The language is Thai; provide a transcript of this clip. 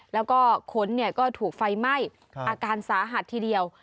แล้วก็ค้นก็ถูกไฟไหม้อาการสาหัสทีเดียว